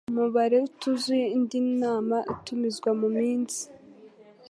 mubare utuzuye indi nama itumizwa mu minsi